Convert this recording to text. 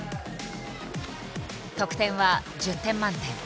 得点は１０点満点。